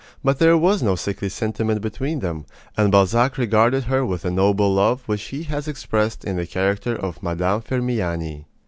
But there was no sickly sentiment between them, and Balzac regarded her with a noble love which he has expressed in the character of Mme. Firmiani.